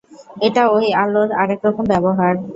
এটা ঐ আলোর আর এক-রকম ব্যবহার।